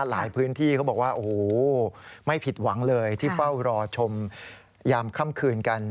หลายพื้นที่เขาบอกว่าโอ้โหไม่ผิดหวังเลยที่เฝ้ารอชมยามค่ำคืนกัน